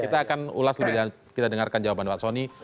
kita akan ulas lebih dalam kita dengarkan jawaban pak soni